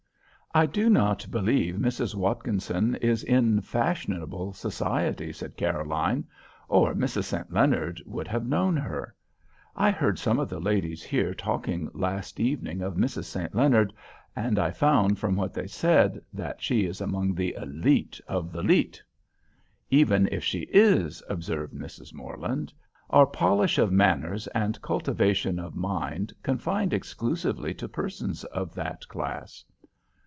"I do not believe Mrs. Watkinson is in fashionable society," said Caroline, "or Mrs. St. Leonard would have known her. I heard some of the ladies here talking last evening of Mrs. St. Leonard, and I found from what they said that she is among the élite of the lite." "Even if she is," observed Mrs. Morland, "are polish of manners and cultivation of mind confined exclusively to persons of that class?"